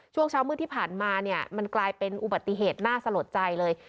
ช่วงเช้ามืดที่ผ่านมาเนี่ยมันกลายเป็นอุบัติเหตุน่าสลดใจเลย